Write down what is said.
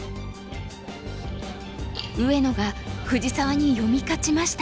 上野が藤沢に読み勝ちました。